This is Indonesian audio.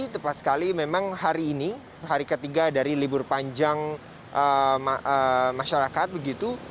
tepat sekali memang hari ini hari ketiga dari libur panjang masyarakat begitu